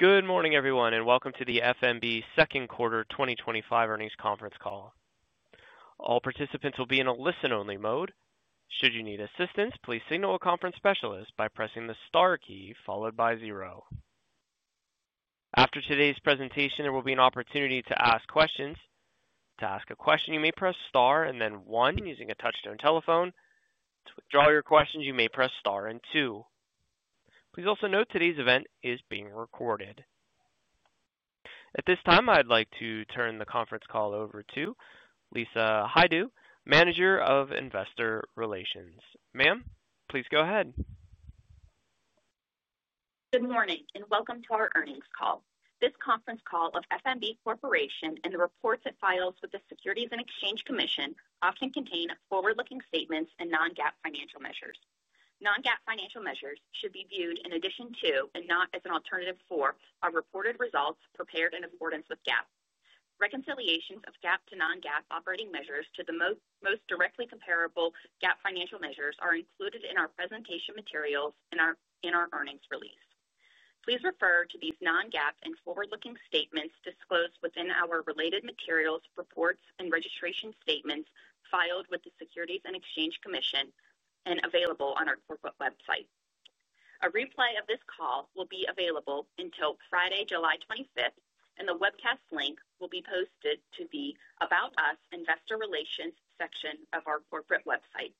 Good morning, everyone, and welcome to the FMB Second Quarter twenty twenty five Earnings Conference Call. All participants will be in a listen only mode. After today's presentation, there will be an opportunity to ask questions. Please also note today's event is being recorded. At this time, I'd like to turn the conference call over to Lisa Haidoo, Manager of Investor Relations. Ma'am, please go ahead. Good morning, and welcome to our earnings call. This conference call of F. B. Corporation and the reports it files with the Securities and Exchange Commission often contain forward looking statements and non GAAP financial measures. Non GAAP financial measures should be viewed in addition to and not as an alternative for our reported results prepared in accordance with GAAP. Reconciliations of GAAP to non GAAP operating measures to the most directly comparable GAAP financial measures are included in our presentation materials and in our earnings release. Please refer to these non GAAP and forward looking statements disclosed within our related materials, reports and registration statements filed with the Securities and Exchange Commission and available on our corporate website. A replay of this call will be available until Friday, July 25, and the webcast link will be posted to the About Us Investor Relations section of our corporate website.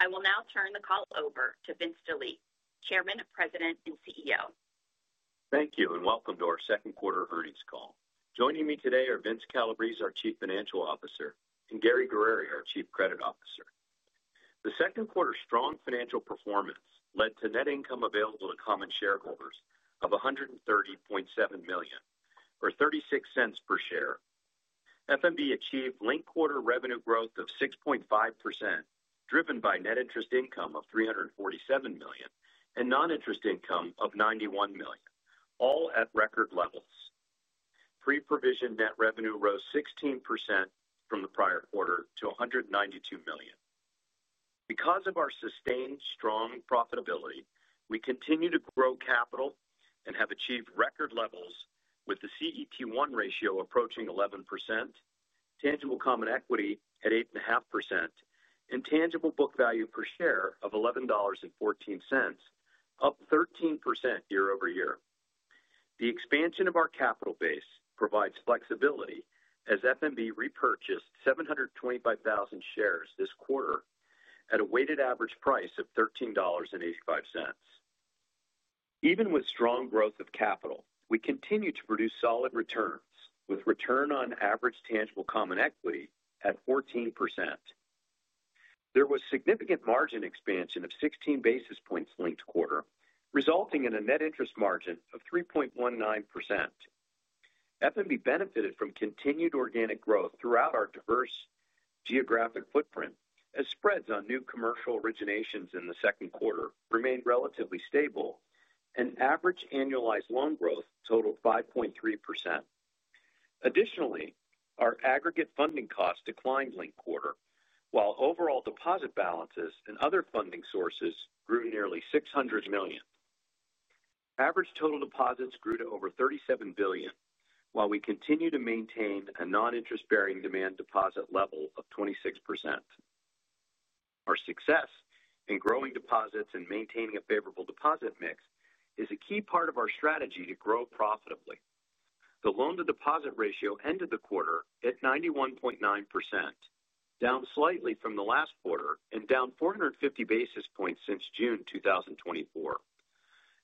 I will now turn the call over to Vince DeLee, Chairman, President and CEO. Thank you and welcome to our second quarter earnings call. Joining me today are Vince Calabrese, our Chief Financial Officer and Gary Guerreri, our Chief Credit Officer. The second quarter strong financial performance led to net income available to common shareholders of $130,700,000 or $0.36 per share. FMB achieved linked quarter revenue growth of 6.5% driven by net interest income of $347,000,000 and non interest income of $91,000,000 all at record levels. Pre provision net revenue rose 16% from the prior quarter to $192,000,000 Because of our sustained strong profitability, we continue to grow capital and have achieved record levels with the CET1 ratio approaching 11%, tangible common equity at 8.5% and tangible book value per share of $11.14 up 13% year over year. The expansion of our capital base provides flexibility as FNB repurchased 725,000 shares this quarter at a weighted average price of $13.85 Even with strong growth of capital, we continue to produce solid returns with return on average tangible common equity at 14%. There was significant margin expansion of 16 basis points linked quarter resulting in a net interest margin of 3.19%. F and B benefited from continued organic growth throughout our diverse geographic footprint as spreads on new commercial originations in the second quarter remained relatively stable and average annualized loan growth totaled 5.3. Additionally, our aggregate funding costs declined linked quarter while overall deposit balances and other funding sources grew nearly 600,000,000 Average total deposits grew to over $37,000,000,000 while we continue to maintain a non interest bearing demand deposit level of 26%. Our success in growing deposits and maintaining a favorable deposit mix is a key part of our strategy to grow profitably. The loan to deposit ratio ended the quarter at 91.9% down slightly from the last quarter and down four fifty basis points since June 2024.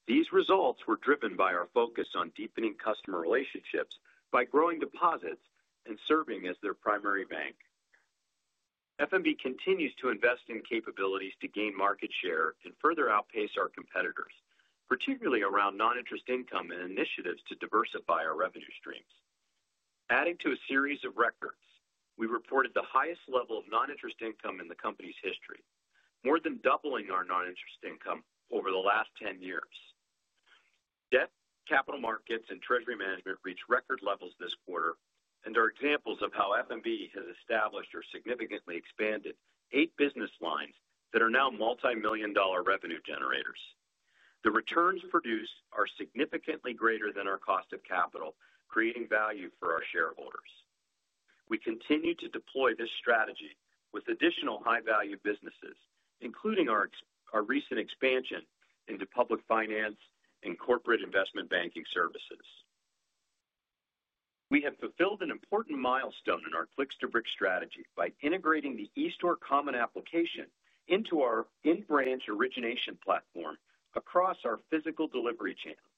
These results were driven by our focus on deepening customer relationships by growing deposits and serving as their primary bank. F and B continues to invest in capabilities to gain market share and further outpace our competitors, particularly around non interest income and initiatives to diversify our revenue streams. Adding to a series of records, we reported the highest level of non interest income in the company's history, more than doubling our non interest income over the last ten years. Debt, capital markets and treasury management reached record levels this quarter and are examples of how F and B has established or significantly expanded eight business lines that are now multimillion dollar revenue generators. The returns produced are significantly greater than our cost of capital creating value for our shareholders. We continue to deploy this strategy with additional high value businesses including our recent expansion into public finance and corporate investment banking services. We have fulfilled an important milestone in our Flix2Brick strategy by integrating the eStore common application into our in branch origination platform across our physical delivery channel.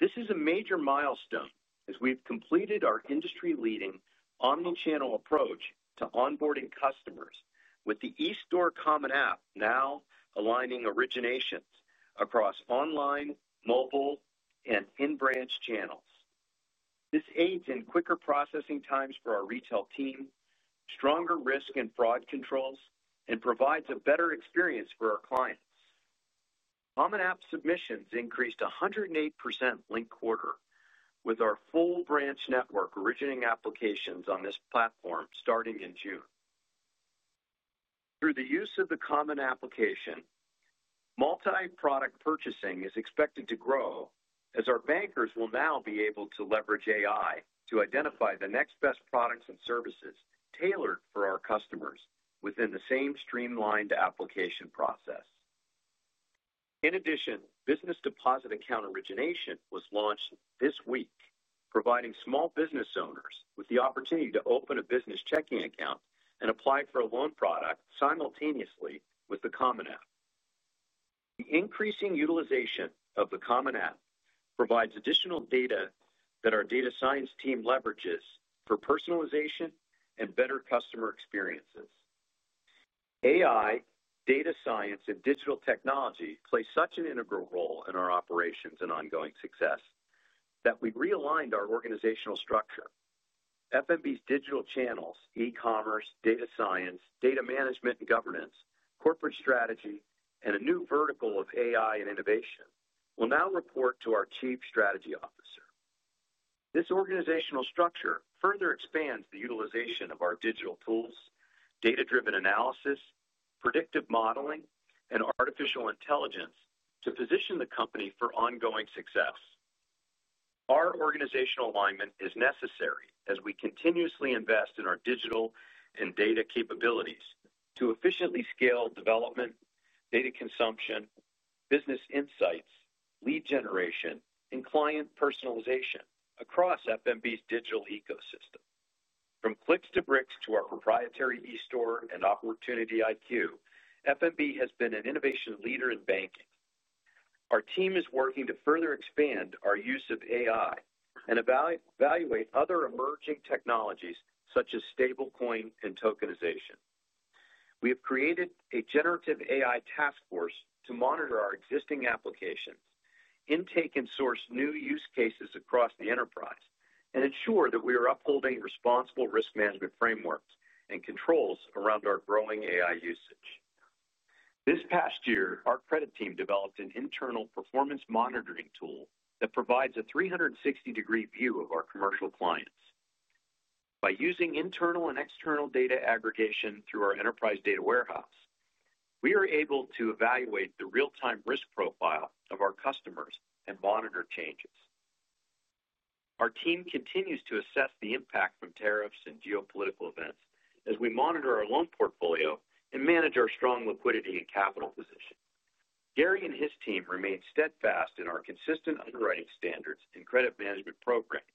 This is a major milestone as we've completed our industry leading omni channel approach to onboarding customers with the eStore common app now aligning originations across online, mobile and in branch channels. This aids in quicker processing times for our retail team, stronger risk and fraud controls and provides a better experience for our clients. Common App submissions increased 108% linked quarter with our full branch network originating applications on this platform starting in June. Through the use of the common application, multi product purchasing is expected to grow as our bankers will now be able to leverage AI to identify the next best products and services tailored for our customers within the same streamlined application process. In addition, business deposit account origination was launched this week providing small business owners with the opportunity to open a business checking account and apply for a loan product simultaneously with the Common App. The increasing utilization of the Common App provides additional data that our data science team leverages for personalization and better customer experiences. AI, data science and digital technology play such an integral role in our operations and ongoing success that we've realigned our organizational structure. FMB's digital channels, e commerce, data science, data management and governance, corporate strategy and a new vertical of AI and innovation. We'll now report to our Chief Strategy Officer. This organizational structure further expands the utilization of our digital tools, data driven analysis, predictive modeling and artificial intelligence to position the company for ongoing success. Our organizational alignment is necessary as we continuously invest in our digital and data capabilities to efficiently scale development, data consumption, business insights, lead generation and client personalization across FMB's digital ecosystem. From clicks to bricks to our proprietary eStore and OpportunityIQ, FMB has been an innovation leader in banking. Our team is working to further expand our use of AI and evaluate other emerging technologies such as stablecoin and tokenization. We have created a generative AI task force to monitor our existing applications, intake and source new use cases across the enterprise and ensure that we are upholding responsible risk management frameworks and controls around our growing AI usage. This past year, our credit team developed an internal performance monitoring tool that provides a three sixty degree view of our commercial clients. By using internal and external data aggregation through our enterprise data warehouse, we are able to evaluate the real time risk profile of our customers and monitor changes. Our team continues to assess the impact from tariffs and geopolitical events as we monitor our loan portfolio and manage our strong liquidity and capital position. Gary and his team remain steadfast in our consistent underwriting standards and credit management program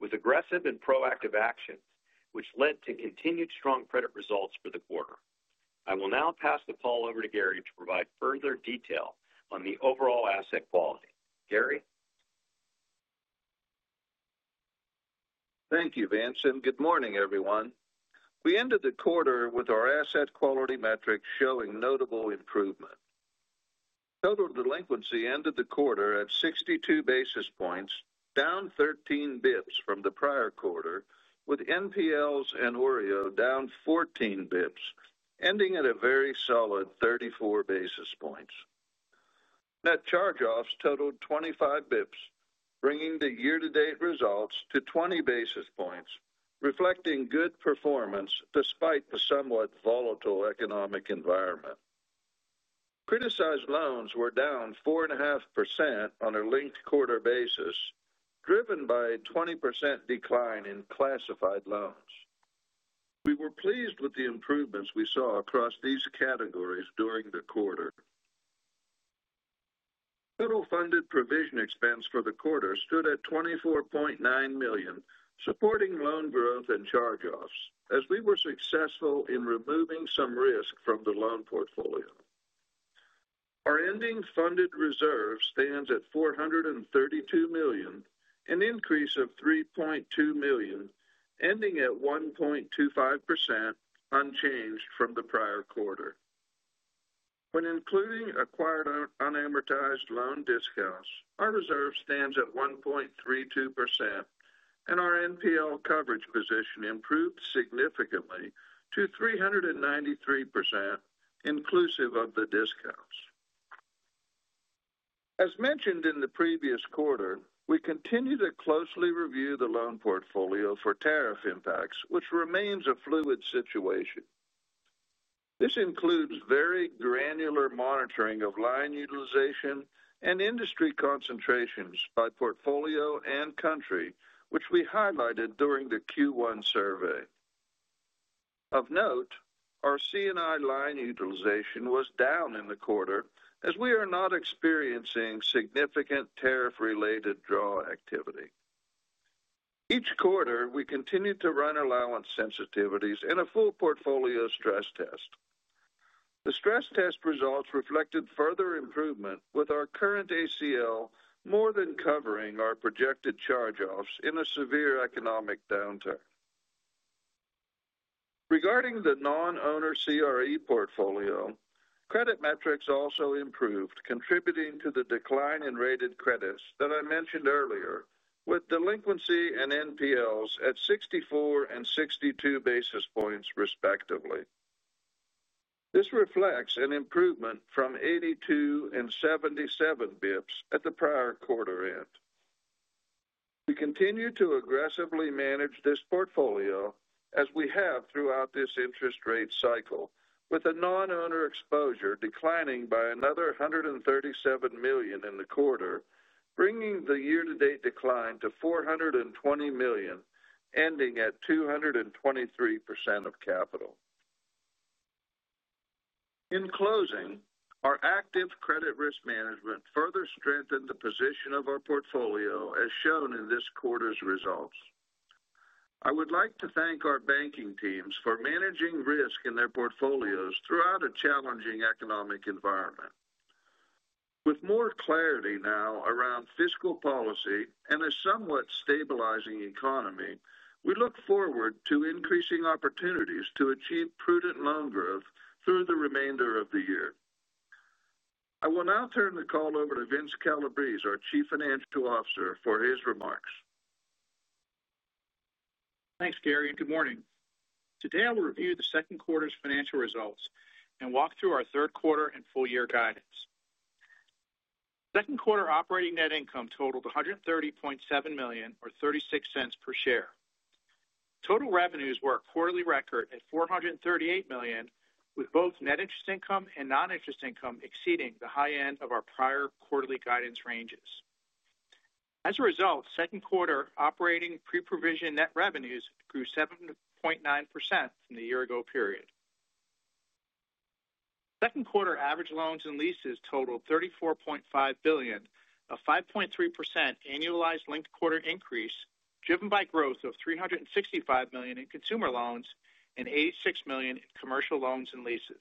with aggressive and proactive actions, which led to continued strong credit results for the quarter. I will now pass the call over to Gary to provide further detail on the overall asset quality. Gary? Thank you, Vince, and good morning, everyone. We ended the quarter with our asset quality metrics showing notable improvement. Total delinquency ended the quarter at 62 basis points, down 13 bps from the prior quarter with NPLs and OREO down 14 bps, ending at a very solid 34 basis points. Net charge offs totaled 25 bps, bringing the year to date results to 20 basis points, reflecting good performance despite the somewhat volatile economic environment. Criticized loans were down 4.5% on a linked quarter basis, driven by a 20% decline in classified loans. We were pleased with the improvements we saw across these categories during the quarter. Total funded provision expense for the quarter stood at $24,900,000 supporting loan growth and charge offs as we were successful in removing some risk from the loan portfolio. Our ending funded reserve stands at $432,000,000 an increase of $3,200,000 ending at 1.25% unchanged from the prior quarter. When including acquired unamortized loan discounts, our reserve stands at 1.32% and our NPL coverage position improved significantly to 393%, inclusive of the discounts. As mentioned in the previous quarter, we continue to closely review the loan portfolio for tariff impacts, which remains a fluid situation. This includes very granular monitoring of line utilization and industry concentrations by portfolio and country, which we highlighted during the Q1 survey. Of note, our C and I line utilization was down in the quarter as we are not experiencing significant tariff related draw activity. Each quarter, we continue to run allowance sensitivities and a full portfolio stress test. The stress test results reflected further improvement with our current ACL more than covering our projected charge offs in a severe economic downturn. Regarding the non owner CRE portfolio, credit metrics also improved contributing to the decline in rated credits that I mentioned earlier with delinquency and NPLs at sixty four and sixty two basis points respectively. This reflects an improvement from 82 basis and 77 bps at the prior quarter end. We continue to aggressively manage this portfolio as we have throughout this interest rate cycle with a non owner exposure declining by another $137,000,000 in the quarter, bringing the year to date decline to $420,000,000 ending at 223% of capital. In closing, our active credit risk management further strengthened the position of our portfolio as shown in this quarter's results. I would like to thank our banking teams for managing risk in their portfolios throughout a challenging economic environment. With more clarity now around fiscal policy and a somewhat stabilizing economy, we look forward to increasing opportunities to achieve prudent loan growth through the remainder of the year. I will now turn the call over to Vince Calabrese, our Chief Financial Officer for his remarks. Thanks, Gary, and good morning. Today, will review the second quarter's financial results and walk through our third quarter and full year guidance. Second quarter operating net income totaled $130,700,000 or $0.36 per share. Total revenues were a quarterly record at $438,000,000 with both net interest income and non interest income exceeding the high end of our prior quarterly guidance ranges. As a result, second quarter operating pre provision net revenues grew 7.9% from the year ago period. Second quarter average loans and leases totaled $34,500,000,000 a 5.3% annualized linked quarter increase driven by growth of $365,000,000 in consumer loans and $86,000,000 in commercial loans and leases.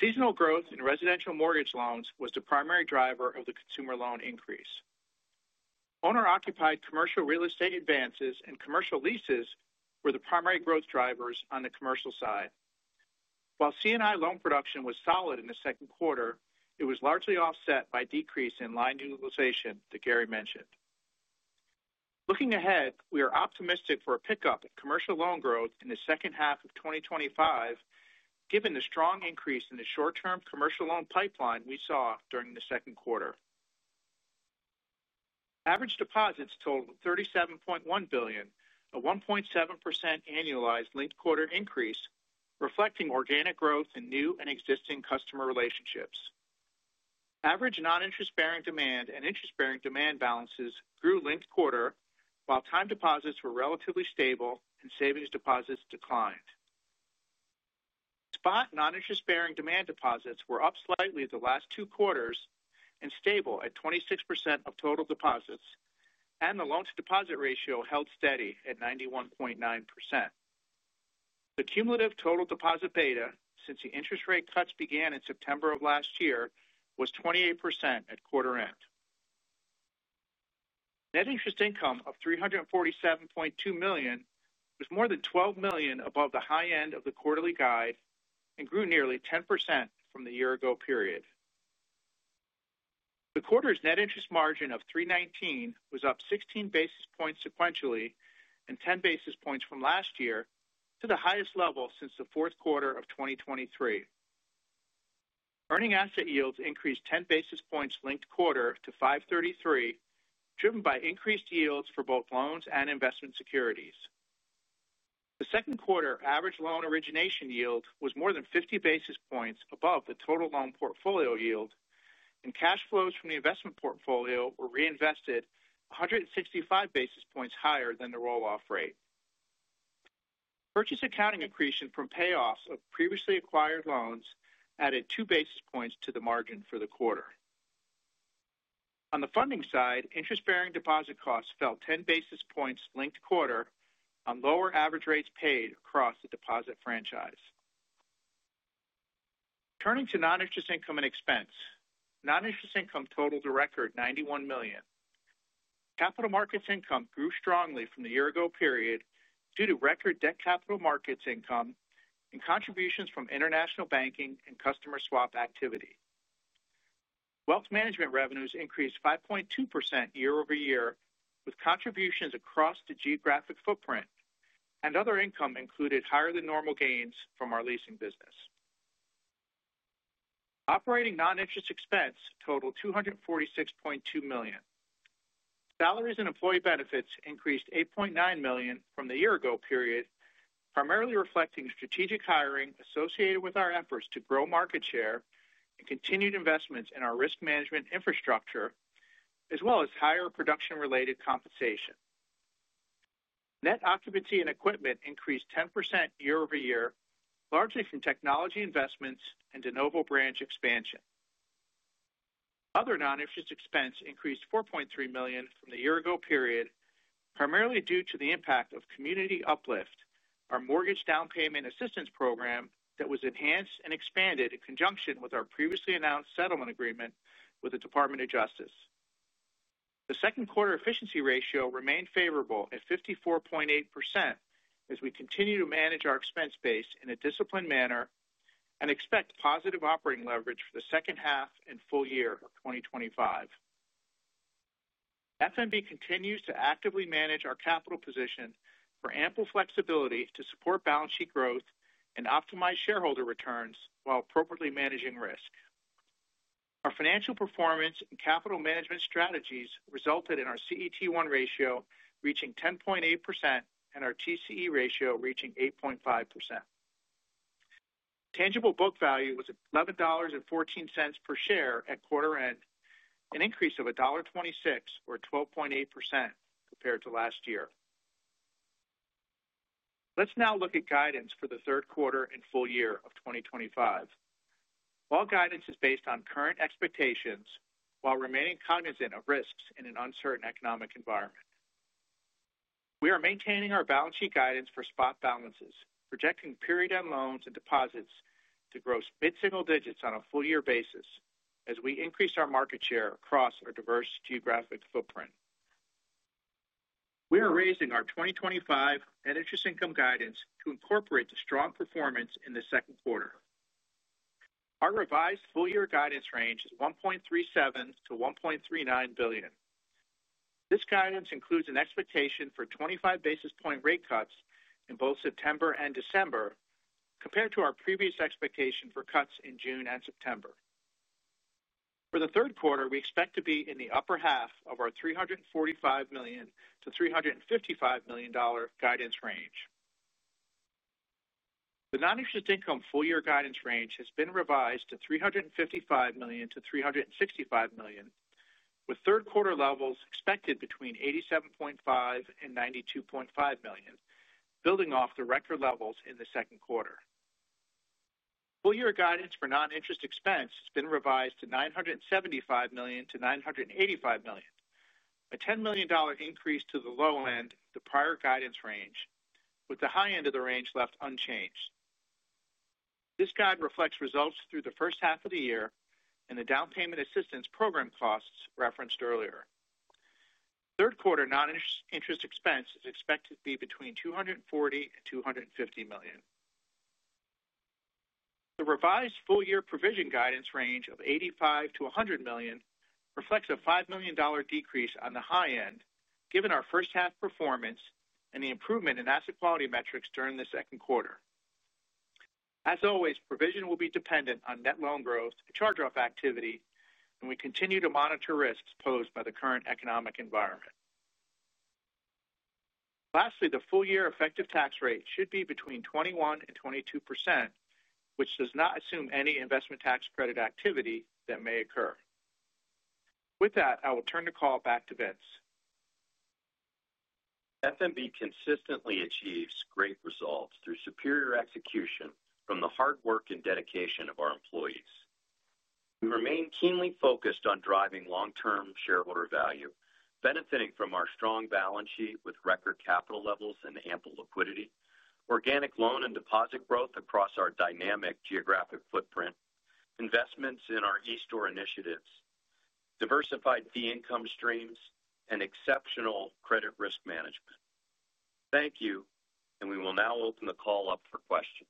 Seasonal growth in residential mortgage loans was the primary driver of the consumer loan increase. Owner occupied commercial real estate advances and commercial leases were the primary growth drivers on the commercial side. While C and I loan production was solid in the second quarter, it was largely offset by decrease in line utilization that Gary mentioned. Looking ahead, we are optimistic for a pickup in commercial loan growth in the 2025 given the strong increase in the short term commercial loan pipeline we saw during the second quarter. Average deposits totaled $37,100,000,000 a 1.7% annualized linked quarter increase reflecting organic growth in new and existing customer relationships. Average non interest bearing demand and interest bearing demand balances grew linked quarter, while time deposits were relatively stable and savings deposits declined. Spot non interest bearing demand deposits were up slightly the last two quarters and stable at 26% of total deposits and the loan to deposit ratio held steady at 91.9%. The cumulative total deposit beta since the interest rate cuts began in September was 28% at quarter end. Net interest income of $347,200,000 was more than $12,000,000 above the high end of the quarterly guide and grew nearly 10% from the year ago period. The quarter's net interest margin of 3.19% was up 16 basis points sequentially and 10 basis points from last year to the highest level since the fourth quarter of twenty twenty three. Earning asset yields increased 10 basis points linked quarter to 5.33 driven by increased yields for both loans and investment securities. The second quarter average loan origination yield was more than 50 basis basis points above the total loan portfolio yield and cash flows from the investment portfolio were reinvested 165 basis points higher than the roll off rate. Purchase accounting accretion from payoffs of previously acquired loans added two basis points to the margin for the quarter. On the funding side, interest bearing deposit costs fell 10 basis points linked quarter on lower average rates paid across the deposit franchise. Turning to non interest income and expense. Non interest income totaled a record $91,000,000 Capital markets income grew strongly from the year ago period due to record debt capital markets income and contributions from international banking and customer swap activity. Wealth management revenues increased 5.2% year over year with contributions across the geographic footprint and other income included higher than normal gains from our leasing business. Operating non interest expense totaled $246,200,000 Salaries and employee benefits increased $8,900,000 from the year ago period, primarily reflecting strategic hiring associated with our efforts to grow market share and continued investments in our risk management infrastructure as well as higher production related compensation. Net occupancy and equipment increased 10% year over year, largely from technology investments and De Novo branch expansion. Other non interest expense increased 4,300,000 from the year ago period, primarily due to the impact of Community Uplift, our mortgage down payment assistance program that was enhanced and expanded in conjunction with our previously announced settlement agreement with the Department of Justice. The second quarter efficiency ratio remained favorable at 54.8 as we continue to manage our expense base in a disciplined manner and expect positive operating leverage for the second half and full year of 2025. FNB continues to actively manage our capital position for ample flexibility to support balance sheet growth and optimize shareholder returns while appropriately managing risk. Financial performance and capital management strategies resulted in our CET1 ratio reaching 10.8% and our TCE ratio reaching 8.5%. Tangible book value was $11.14 per share at quarter end, an increase of 1.26 or 12.8% compared to last year. Let's now look at guidance for the third quarter and full year of 2025. All guidance is based on current expectations, while remaining cognizant of risks in an uncertain economic environment. We are maintaining our balance sheet guidance for spot balances, projecting period end loans and deposits to gross mid single digits on a full year basis as we increased our market share across our diverse geographic footprint. We are raising our 2025 net interest income guidance to incorporate the strong performance in the second quarter. Our revised full year guidance range is 1,370,000,000.00 to $1,390,000,000 This guidance includes an expectation for 25 basis point rate cuts in both September and December compared to our previous expectation for cuts in June and September. For the third quarter, we expect to be in the upper half of our $345,000,000 to $355,000,000 guidance range. The non interest income full year guidance range has been revised to $355,000,000 to $365,000,000 with third quarter levels expected between $87,500,000 and $92,500,000 building off the record levels in the second quarter. Full year guidance for non interest expense has been revised to $975,000,000 to $985,000,000 a $10,000,000 increase to the low end of the prior guidance range with the high end of the range left unchanged. This guide reflects results through the first half of the year and the down payment assistance program costs referenced earlier. Third quarter non interest expense is expected to be between $240,000,000 and $250,000,000 The revised full year provision guidance range of 85,000,000 to $100,000,000 reflects a $5,000,000 decrease on the high end given our first half performance and the improvement in asset quality metrics during the second quarter. As always, provision will be dependent on net loan growth and charge off activity and we continue to monitor risks posed by the current economic environment. Lastly, the full year effective tax rate should be between 2122%, which does not assume any investment tax credit activity that may occur. With that, I will turn the call back to Vince. FMB consistently achieves great results through superior execution from the hard work and dedication of our employees. We remain keenly focused on driving long term shareholder value, benefiting from our strong balance sheet with record capital levels and ample liquidity, organic loan and deposit growth across our dynamic geographic footprint, investments in our e store initiatives, diversified fee income streams and exceptional credit risk management. Thank you. And we will now open the call up for questions.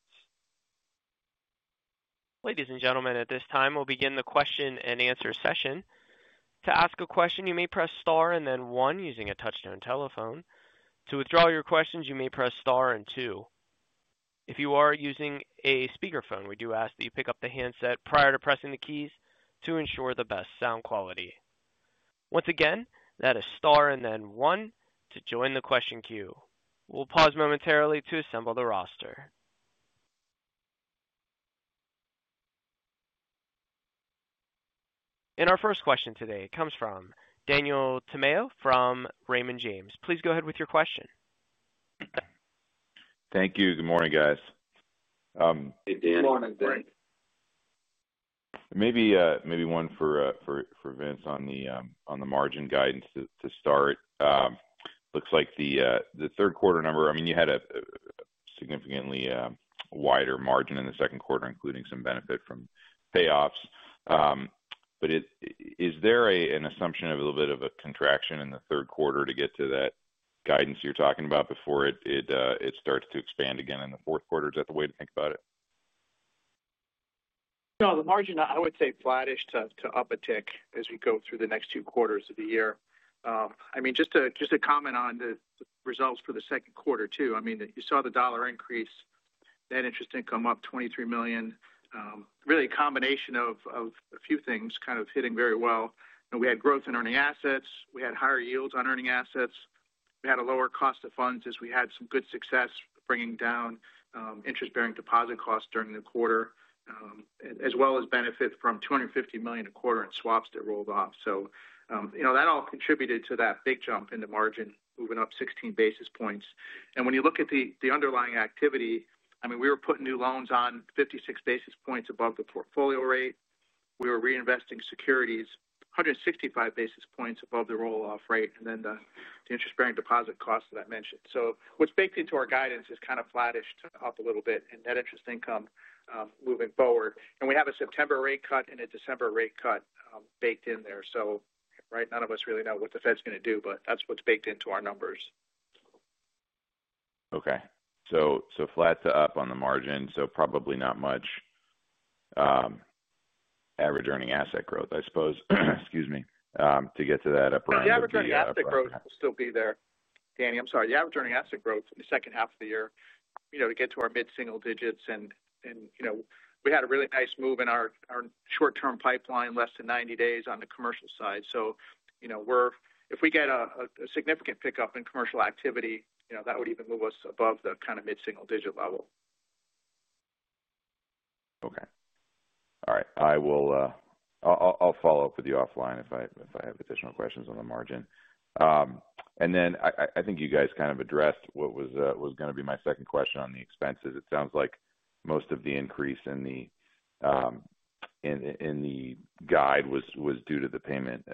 And our first question today comes from Daniel Tamayo from Raymond James. Please go ahead with your question. Thank you. Good morning, Hey, Dan. Good morning, Dan. Maybe one for Vince on the margin guidance to start. Looks like the third quarter number, I mean, you had a significantly wider margin in the second quarter, including some benefit from payoffs. But is there an assumption of a little bit of a contraction in the third quarter to get to that guidance you're talking about before it starts to expand again in the fourth quarter? Is that the way to think about it? No, the margin, I would say flattish to up a tick as we go through the next two quarters of the year. I mean, just a comment on the results for the second quarter too. I mean, you saw the dollar increase, net interest income up 23,000,000 really a combination of a few things kind of hitting very well. We had growth in earning assets, we had higher yields on earning assets, we had a lower cost of funds as we had some good success bringing down interest bearing deposit costs during the quarter as well as benefit from $250,000,000 a quarter in swaps that rolled off. So, that all contributed to that big jump in the margin moving up 16 basis points. And when you look at the underlying activity, I mean, were putting new loans on 56 basis points above the portfolio rate. We were reinvesting securities 165 basis points above the roll off rate and then the interest bearing deposit costs that I mentioned. So what's baked into our guidance is kind of flattish up a little bit and net interest income moving forward. And we have a September rate cut and a December rate cut baked in there. So right none of us really know what the Fed is going to do, but that's what's baked into our numbers. Okay. So flat to up on the margin, so probably not much average earning asset growth I suppose, excuse me, to get to that upper end. Yes, the earning growth will still be there. Danny, I'm sorry. The average earning asset growth in the second half of the year, we get to our mid single digits and we had a really nice move in our short term pipeline less than 90 on the commercial side. So, we're if we get a significant pickup in commercial activity, that would even move us above the kind of mid single digit level. Okay. All right. I will follow-up with you offline if I have additional questions on the margin. And then I think you guys kind of addressed what was going to be my second question on the expenses. It sounds like most of the increase in the guide was due to the Payment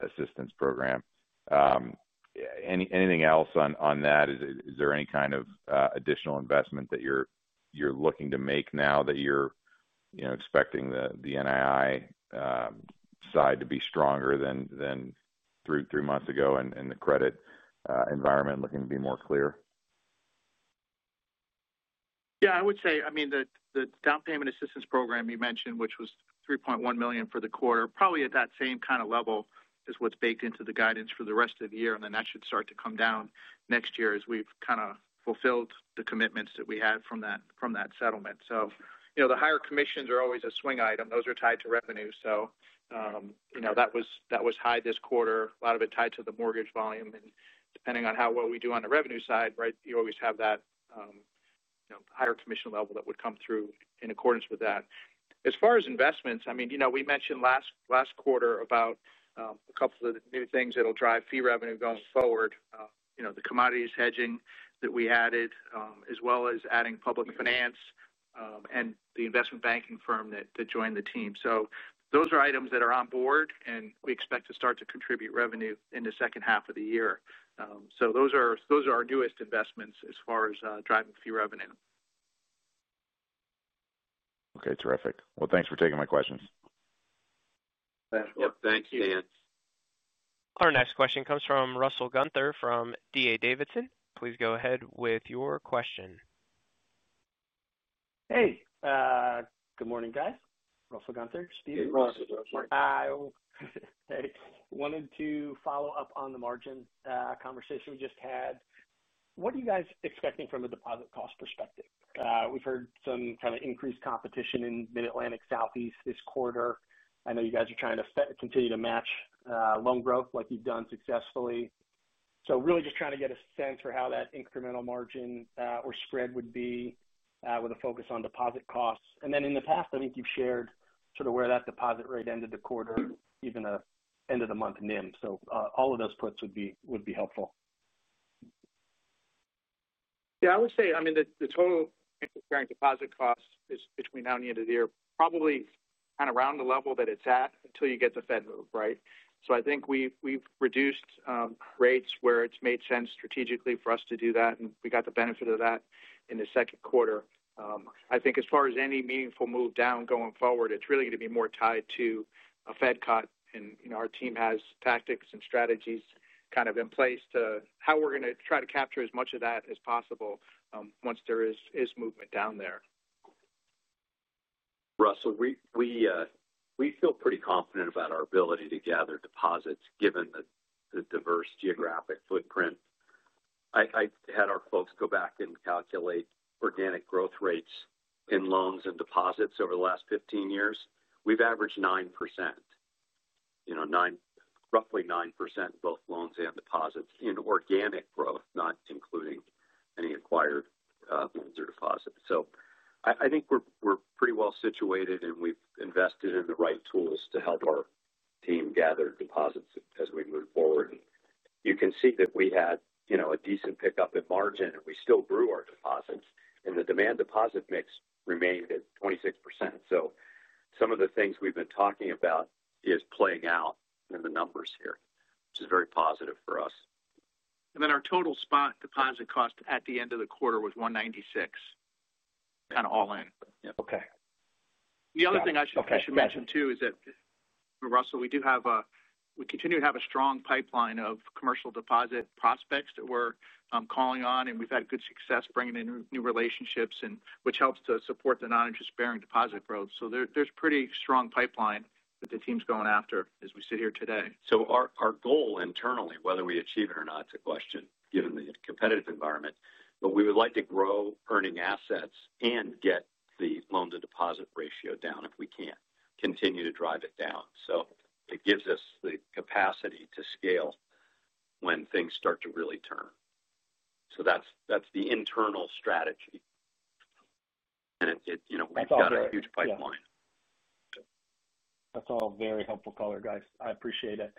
Assistance Program. Anything else on that? Is there any kind of additional investment that you're looking to make now that you're expecting the NII side to be stronger than three months ago and the credit environment looking to be more clear? Yes. I would say, I mean, the down payment assistance program you mentioned, was $3,100,000 for the quarter, at that same kind of level is what's baked into the guidance for the rest of the year. And then that should start to come down next year as we've kind of fulfilled the commitments that we had from that settlement. So the higher commissions are always a swing item. Those are tied to revenue. That was high this quarter, a lot of it tied to the mortgage volume and depending on how well we do on the revenue side, right, you always have that higher commission level that would come through in accordance with that. As far as investments, I mean, we mentioned last quarter about, a couple of the new things that will drive fee revenue going forward, the commodities hedging that we added, as well as adding public finance, and the investment banking firm that joined the team. So those are items that are on board and we expect to start to contribute revenue in the second half of the year. So those are our newest investments as far as driving fee revenue. Okay, terrific. Well, thanks for taking my questions. Thanks, Thanks, Dan. Next question comes from Russell Gunther from D. A. Davidson. Please go ahead with your question. Hey, good morning guys. Russell Gunther, Steve. Hey, Russell. Hey, Russell. I wanted to follow-up on the margin conversation we just had. What are you guys expecting from a deposit cost perspective? We've heard some kind of increased competition in Mid Atlantic Southeast this quarter. I know you guys are trying to continue to match loan growth like you've done successfully. So really just trying to get a sense for how that incremental margin or spread would be with a focus on deposit costs? And then in the past, I think you've shared sort of where that deposit rate ended the quarter, even end of the month NIM. So all of those puts would be helpful. Yes. I would say, I mean, the total interest bearing deposit costs is between now and the end of the year probably kind of around the level that it's at until you get the Fed move, right? So I think we've reduced rates where it's made sense strategically for us to do that and we got the benefit of that in the second quarter. I think as far as any meaningful move down going forward, it's really going to be more tied to a Fed cut and our team has tactics and strategies kind of in place to how we're going to try to capture as much of that as possible, once there is movement down there. Russell, we feel pretty confident about our ability to gather deposits given the diverse geographic footprint. I had our folks go back and calculate organic growth rates in loans and deposits over the last fifteen years. We've averaged 9%, roughly 9% both loans and deposits in organic growth not including any acquired loans or deposits. So I think we're pretty well situated and we've invested in the right tools to help our team gather deposits as we move forward. You can see that we had a decent pickup in margin and we still grew our deposits and the demand deposit mix remained at 26%. So some of the things we've been talking about is playing out in the numbers here, which is very positive for us. And then our total spot deposit cost at the end of the quarter was 196,000,000 kind of all in. Other thing I should mention too is that Russell, we do have a we continue to have a strong pipeline of commercial deposit prospects that we're calling on and we've had good success bringing in new relationships and which helps to support the non interest bearing deposit growth. So there's pretty strong pipeline that the team is going after as we sit here today. So our goal internally whether we achieve it or not is a question given the competitive environment, but we would like to grow earning assets and get the loan to deposit ratio down if we can continue to drive it down. So it gives us the capacity to scale when things start to really turn. So that's the internal strategy. We've That's got a huge all very helpful color guys. I appreciate it.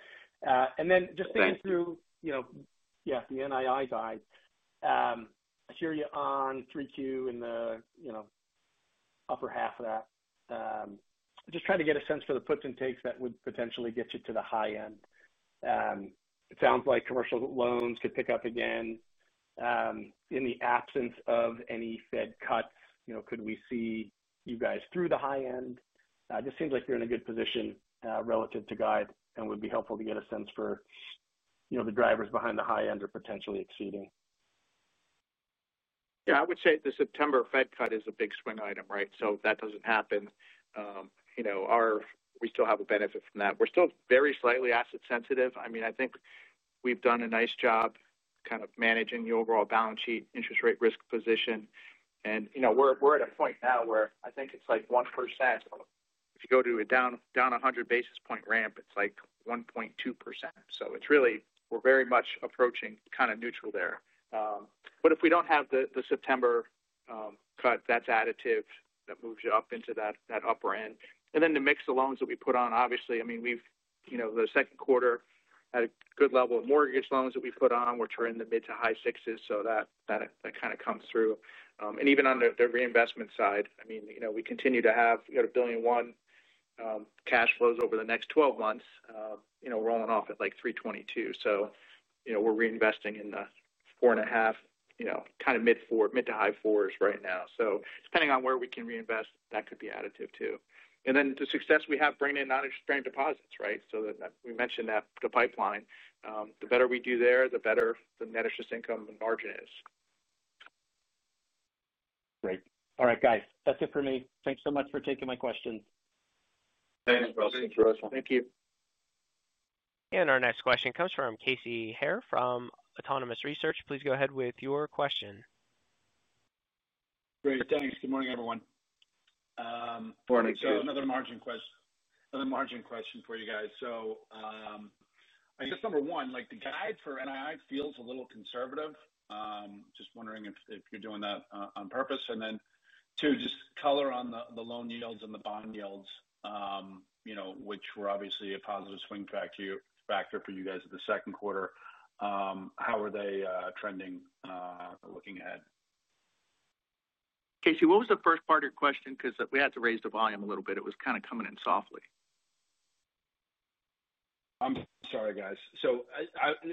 Then just staying through, yes, the NII guide. I hear you on 3Q in the upper half of that. Just trying to get a sense for the puts and takes that would potentially get you to the high end. It sounds like commercial loans could pick up again. In the absence of any Fed cuts, could we see you guys through the high end? It just seems like you're in a good position relative to guide and would be helpful to get a sense for the drivers behind the high end or potentially exceeding. Yes. Would say the September Fed cut is a big swing item, right? So that doesn't happen. Our we still have a benefit from that. We're still very slightly asset sensitive. I mean, I think we've done a nice job kind of managing the overall balance sheet, interest rate risk position. And we're at a point now where I think it's like 1%. If you go to a down 100 basis point ramp, it's like 1.2. So it's really we're very much approaching kind of neutral there. But if we don't have the September, cut that's additive that moves you up into that upper end. And then the mix of loans that we put on, obviously, I mean, we've the second quarter had a good level of mortgage loans that we put on, which were in the mid to high 6s. So that kind of comes through. And even on the reinvestment side, I mean, we continue to have 1,000,000,000 point dollars cash flows over the next twelve months rolling off at like 3,220,000,000.00 So we're reinvesting in the 4,500,000,000.0 kind of mid-four mid- to high-4s right now. So depending on where we can reinvest that could be additive too. And then the success we have bringing in non interest bearing deposits, right? So we mentioned that the pipeline, the better we do there, better the net interest income and margin is. Great. All right, guys. That's it for me. Thanks so much for taking my question. Thanks, Russell. Thanks, Russell. Thank you. And our next question comes from Casey Haire from Autonomous Research. Please go ahead with your question. Great, thanks. Good morning everyone. Good morning, Casey. So another margin question for you guys. So I guess number one, like the guide for NII feels a little conservative. Just wondering if you're doing that on purpose. And then two, just color on the loan yields and the bond yields, which were obviously a positive swing factor for you guys in the second quarter. How are they trending looking ahead? Casey, what was the first part of your question because we had to raise the volume a little bit. It was kind of coming in I'm sorry guys. So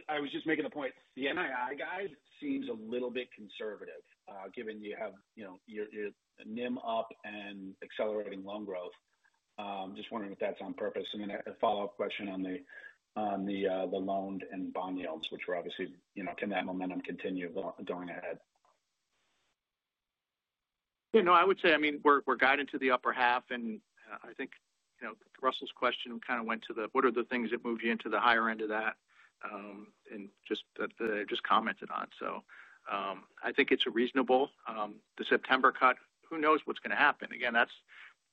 I was just making a point. The NII guide seems a little bit conservative given you have NIM up and accelerating loan growth. Just wondering if that's on purpose. And then a follow-up question on the loaned and bond yields which were obviously can that momentum continue going ahead? Yes. No, I would say I mean we're guiding to the upper half and I think Russell's question kind of went to the what are the things that move you into the higher end of that, and just commented on. So, I think it's reasonable. The September cut, who knows what's going to happen. Again, that's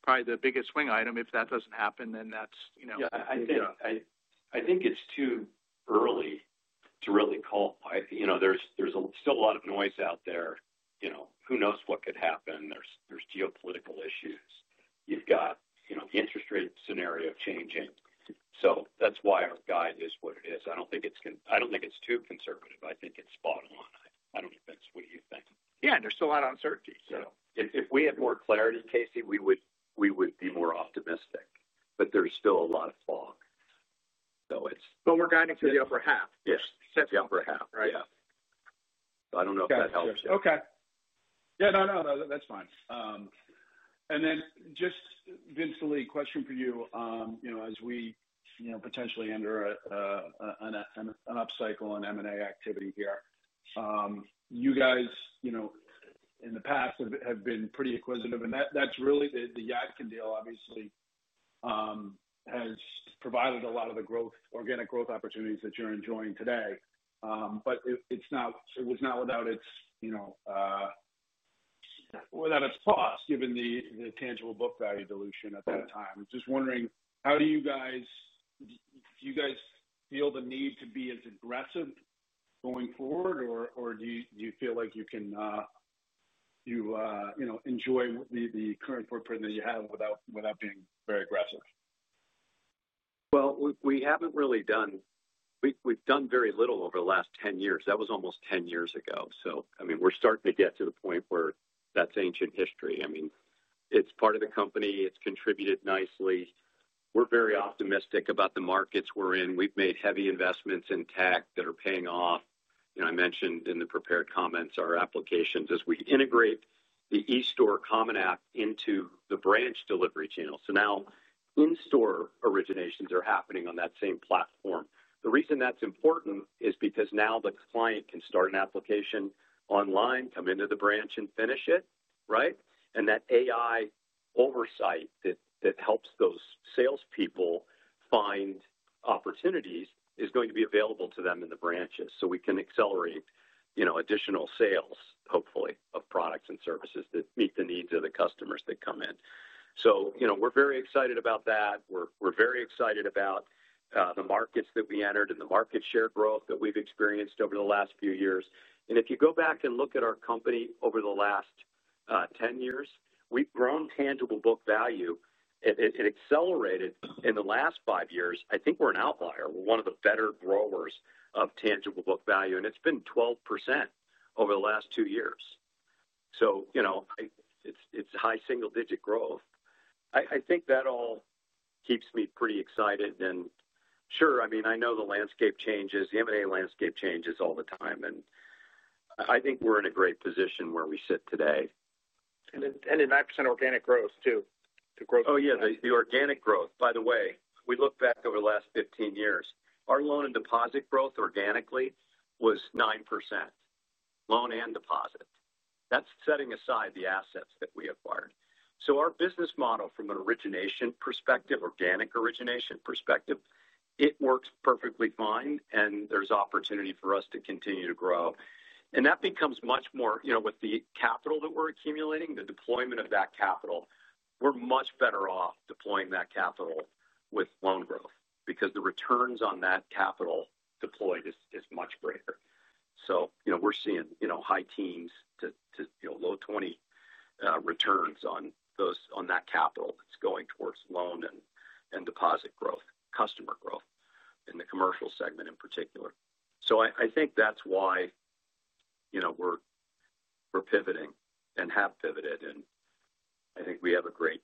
probably the biggest swing item. If that doesn't happen, then that's I think it's too early to really call pipe. There's still a lot of noise out there. Who knows what could happen? There's geopolitical issues. You've got interest rate scenario changing. So that's why our guide is what it is. I don't think it's too conservative. I think it's spot on. Don't think that's what you think. Yes, there's still a lot of uncertainty. If we had more clarity, Casey, we would be more optimistic, but there's still a lot of fog. It's But we're guiding to the upper half. The upper half, right. Yes. So I don't know if Okay. That helps Yes, no, no, that's fine. And then just, Vince, a question for you. As we potentially enter an upcycle on M and A activity here, you guys in the past have been pretty acquisitive and that's really the Yadkin deal obviously has provided a lot of the growth organic growth opportunities that you're enjoying today. But it's not it was not without its cost given the tangible book value dilution at that time. Just wondering how do you guys feel the need to be as aggressive going forward? Or do you feel like you can enjoy the current footprint that you have without being very aggressive? Well, we haven't really done we've done very little over the last ten years. That was almost ten years ago. So I mean we're starting to get to the point where that's ancient history. I mean it's part of the company. It's contributed nicely. We're very optimistic about the markets we're in. We've made heavy investments in tech that are paying off. I mentioned in the prepared comments our applications as we integrate the eStore common app into the branch delivery channel. So now in store originations are happening on that same platform. The reason that's important is because now the client can start an application online, come into the branch and finish it, right. And that AI oversight that helps those salespeople find opportunities is going to be available to them in the branches. So we can accelerate additional sales hopefully of products and services that meet the needs of the customers that come in. So we're very excited about that. We're very excited about the markets that we entered and the market share growth that we've experienced over the last few years. And if you go back and look at our company over the last ten years, we've grown tangible book value, it accelerated in the last five years. I think we're an outlier, we're one of the better growers of tangible book value and it's been 12% over the last two years. So it's high single digit growth. I think that all keeps me pretty excited and sure, mean, know the landscape changes, the M and A landscape changes all the time and I think we're in a great position where we sit today. And the 9% organic growth too, the growth Oh, yes, the organic growth. By the way, we look back over the last fifteen years, our loan and deposit growth organically was 9%, loan and deposit. That's setting aside the assets that we acquired. So our business model from an origination perspective, organic origination perspective, it works perfectly fine and there's opportunity for us to continue to grow. And that becomes much more with the capital that we're accumulating, the deployment of that capital, we're much better off deploying that capital with loan growth because the returns on that capital deployed is much greater. So we're seeing high teens to low 20 returns on those on that capital that's going towards loan and deposit growth, customer growth in the commercial segment in particular. So I think that's why we're pivoting and have pivoted and I think we have a great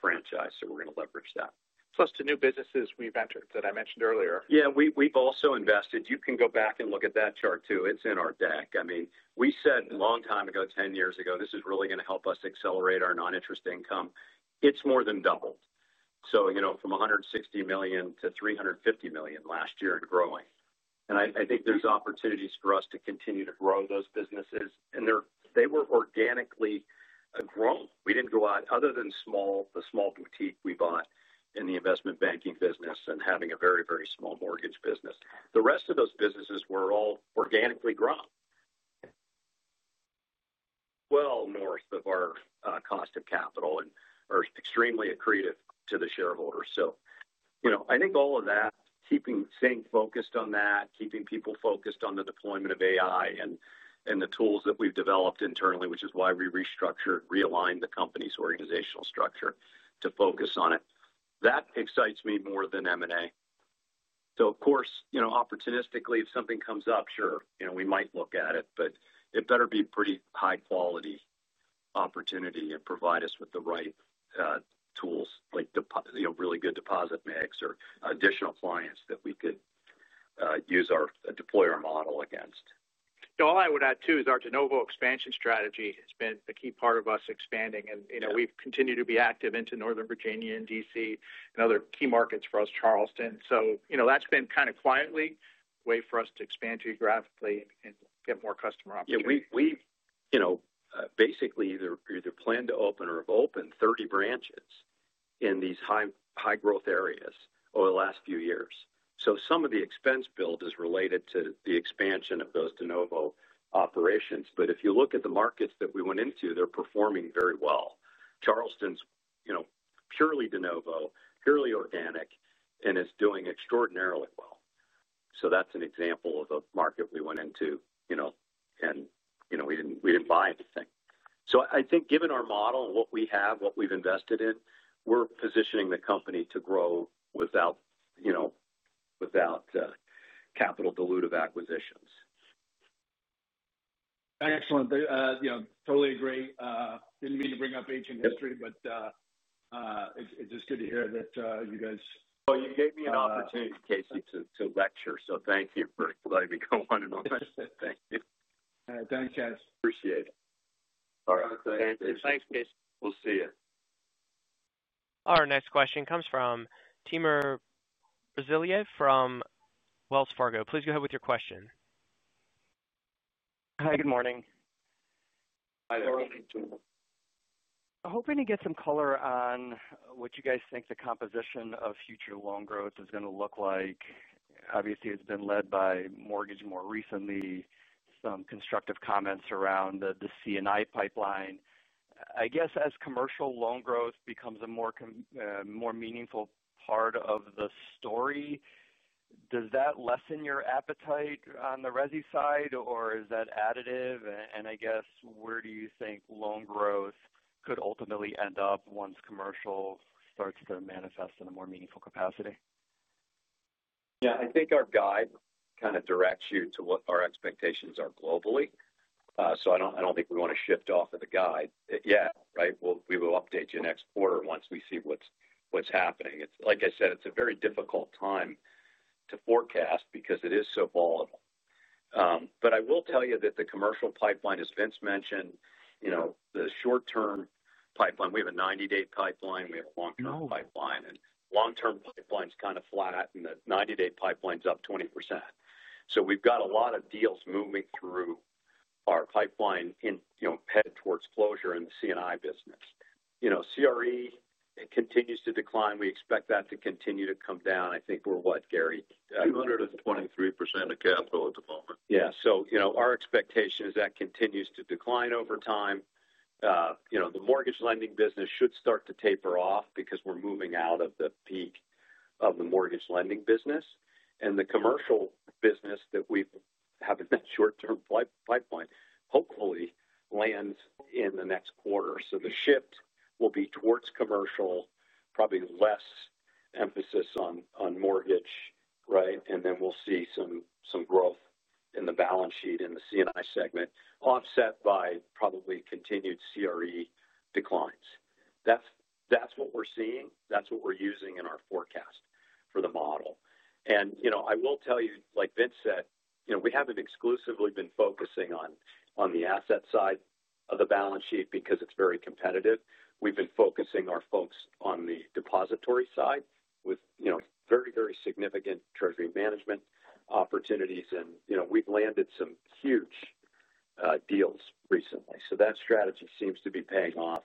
franchise. So we're going to leverage that. Plus the new businesses we've entered that I mentioned earlier. Yes. We've also invested. You can go back and look at that chart too. It's in our deck. I mean, we said a long time ago, ten years ago, this is really going to help us accelerate our non interest income. It's more than doubled. So from $160,000,000 to $350,000,000 last year and growing. And I think there's opportunities for us to continue to grow those businesses. And they were organically grown. We didn't go out other than small, the small boutique we bought in the investment banking business and having a very, very small mortgage business. The rest of those businesses were all organically grown, Well north of our cost of capital and are extremely accretive to the shareholders. So I think all of that keeping staying focused on that, keeping people focused on the deployment of AI the tools that we've developed internally, which is why we restructured, realigned the company's organizational structure to focus on it. That excites me more than M and A. So of course, opportunistically, if something comes up, sure, we might look at it, but it better be pretty high quality opportunity and provide us with the right tools like really good deposit mix or additional clients that we could use our deploy our model against. All I would add too is our de novo expansion strategy has been the key part of us expanding and we've continued to be active into Northern Virginia and DC and other key markets for us Charleston. So that's been kind of quietly way for us to expand geographically and get more customer opportunity. We basically either plan to open or have opened 30 branches in these high growth areas over the last few years. So some of the expense build is related to the expansion of those de novo operations. But if you look at the markets that we went into, they're performing very well. Charleston's purely de novo, purely organic and is doing extraordinarily well. So that's an example of a market we went into and we didn't buy anything. So I think given our model and what we have, what we've invested in, we're positioning the company to grow without capital dilutive acquisitions. Excellent. Totally agree. Didn't mean to bring up ancient history, but it's just good to hear that you guys You gave me an opportunity Casey to lecture, so thank you for letting me go on and on. Thank you. Thanks guys. Appreciate it. Thanks Casey. We'll see you. Our next question comes from Timur Brazilia from Wells Fargo. Please go ahead with your question. Hi, good morning. Timur. Hoping to get some color on what you guys think the composition of future loan growth is going to look like. Obviously, it's been led by mortgage more recently, some constructive comments around the C and I pipeline. I guess as commercial loan growth becomes a more meaningful part of the story, does that lessen your appetite on the resi side or is that additive? And I guess where do you think loan growth could ultimately end up once commercial starts to manifest in a more meaningful capacity? Yes. I think our guide kind of directs you to what our expectations are globally. So I don't think we want to shift off of the guide yet, right. We will update you next quarter once we see what's happening. Like I said, it's a very difficult time to forecast because it is so volatile. But I will tell you that the commercial pipeline, as Vince mentioned, the short term pipeline, we have a ninety day pipeline, we have a long term and long term pipeline is kind of flat and the ninety day pipeline is up 20%. So we've got a lot of deals moving through our pipeline headed towards closure in the C and I business. CRE continues to decline. We expect that to continue to come down. Think we're what Gary? 223% of capital at the moment. Yes. So our expectation is that continues to decline over time. The mortgage lending business should start to taper off because we're moving out of the peak of the mortgage lending business and the commercial business that we have in that short term pipeline hopefully lands in the next quarter. So the shift will be towards commercial, probably less emphasis on mortgage, right. And then we'll see some growth in the balance sheet in the C and I segment offset by probably continued CRE declines. That's what we're seeing. That's what we're using in our forecast for the model. And I will tell you, like Vince said, we haven't exclusively been focusing on the asset side of the balance sheet because it's very competitive. We've been focusing our folks on the depository side with very, very significant treasury management opportunities and we've landed some huge deals recently. So that strategy seems to be paying off.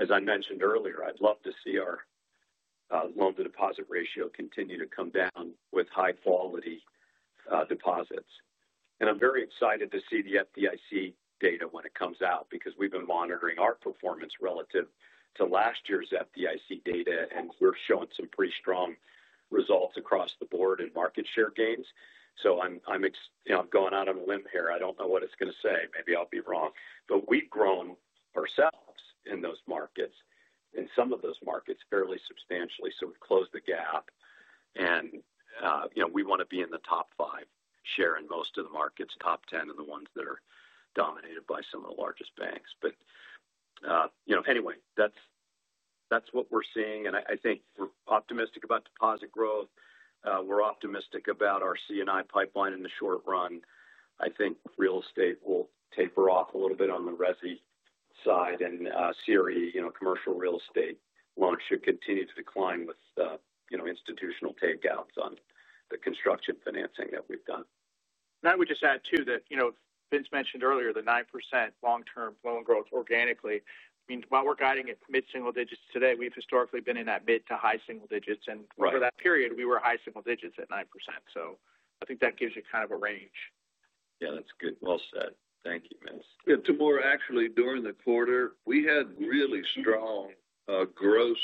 As I mentioned earlier, I'd love to see our loan to deposit ratio continue to come down with high quality deposits. And I'm very excited to see the FDIC data when it comes out because we've been monitoring our performance relative to last year's FDIC data and we're showing some pretty strong results across the board and market share gains. So I'm going out on a limb here, I don't know what it's going to say, maybe I'll be wrong. But we've grown ourselves in those markets, in some of those markets fairly substantially. So we've closed the gap and we want to be in the top five share in most of the markets, 10 are the ones that are dominated by some of the largest banks. But anyway, that's what we're seeing. And I think we're optimistic about deposit growth. We're optimistic about our C and I pipeline in the short run. I think real estate will taper off a little bit on the resi side and CRE commercial real estate launch should continue to decline with institutional takeouts on the construction financing that we've done. And I would just add to that, Vince mentioned earlier the 9% long term loan growth organically. I mean, while we're guiding at mid single digits today, we've historically been in that mid to high single digits for that period, we were high single digits at 9%. So I think that gives you kind of a range. Yes, that's good. Well said. Thank you, Vince. Yes. Tabor, actually during the quarter, we had really strong gross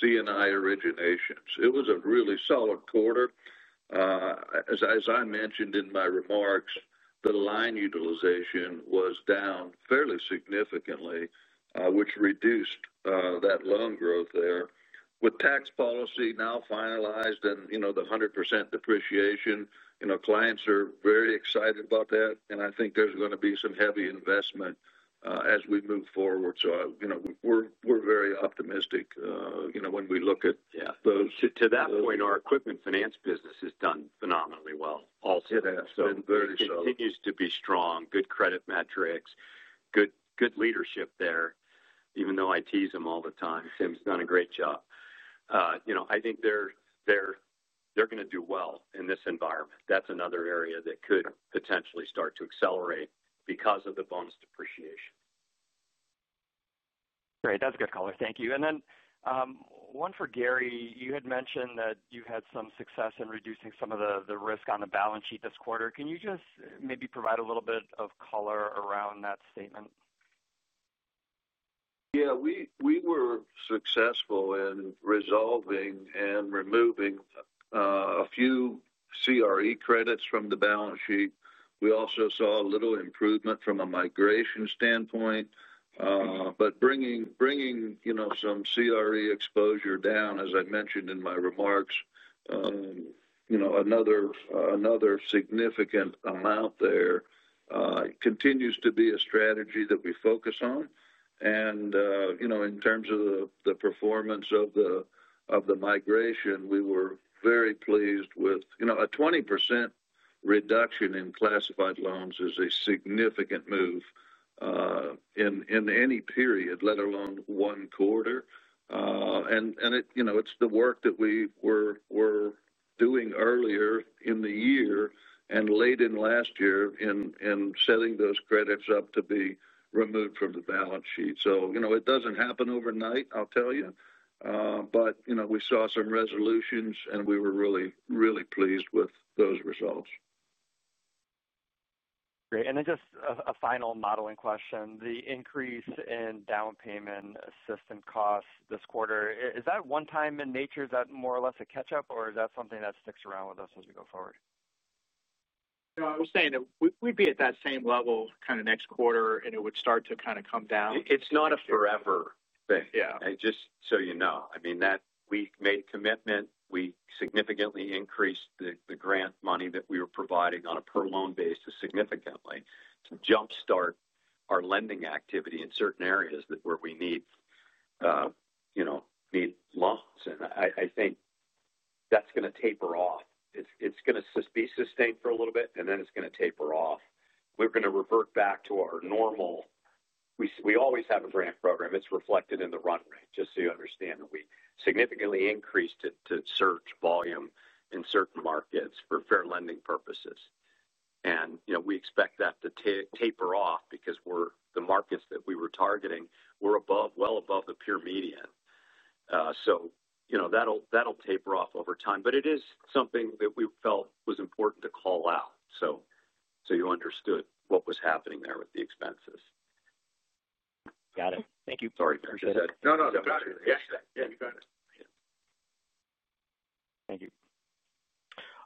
C and I originations. It was a really solid quarter. As I mentioned in my remarks, the line utilization was down fairly significantly, which reduced that loan growth there. With tax policy now finalized and the 100% depreciation, clients are very excited about that. And I think there's going to be some heavy investment as we move forward. So we're very optimistic when we look at Yes. To that point, our equipment finance business has done phenomenally well also. It continues to be strong, good credit metrics, good leadership there, even though I tease him all the time, Tim has done a great job. I think they're going to do well in this environment. That's another area that could potentially start to accelerate because of the bonus depreciation. Great. That's good color. Thank you. And then, one for Gary. You had mentioned that you had some success in reducing some of the risk on the balance sheet this quarter. Can you just maybe provide a little bit of color around that statement? Yes. We were successful in resolving and removing a few CRE credits from the balance sheet. We also saw a little improvement from a migration standpoint, But bringing some CRE exposure down, as I mentioned in my remarks, another significant amount there continues to be a strategy that we focus on. And in terms of the performance of the migration, we were very pleased with a 20% reduction in classified loans is a significant move in any period, let alone one quarter. And it you know, it's the work that we were doing earlier in the year and late in last year in setting those credits up to be removed from the balance sheet. So it doesn't happen overnight, I'll tell you. But we saw some resolutions and we were really, really pleased with those results. Great. And then just a final modeling question. The increase in down payment assistant costs this quarter, is that one time in nature? Is that more or less a catch up? Or is that something that sticks around with us as we go forward? I was saying that we'd be at that same level kind of next quarter and it would start to kind of come down. Not a forever thing. Yes. And just so you know, I mean that we made commitment, we significantly increased the grant money that we were providing on a per loan basis significantly to jumpstart our lending activity in certain areas that where we need the lumps. I think that's going to taper off. It's going to be sustained for a little bit and then it's going to taper off. We're going to revert back to our normal. We always have a grant program, it's reflected in the run rate, just so you understand that we significantly increased it to search volume in certain markets for fair lending purposes. And we expect that to taper off because we're the markets that we were targeting were above well above the peer median. That'll taper off over time, but it is something that we felt was important to call out. So you understood what was happening there with the expenses. Got it. Thank you. Sorry, I appreciate that. No, no. Got it. Yes, you got it.